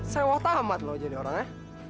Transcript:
sewah tamat lo jadi orang ya